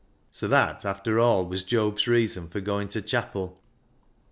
So that after all was Job's reason for going to chapel.